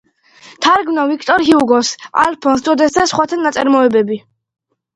თარგმნა ვიქტორ ჰიუგოს, ალფონს დოდეს და სხვათა ნაწარმოებები.